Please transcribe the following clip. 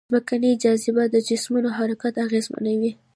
ځمکنۍ جاذبه د جسمونو حرکت اغېزمنوي.